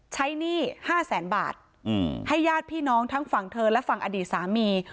หนี้ห้าแสนบาทให้ญาติพี่น้องทั้งฝั่งเธอและฝั่งอดีตสามี